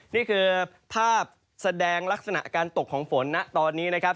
นี่คือภาพแสดงลักษณะการตกของฝนนะตอนนี้นะครับ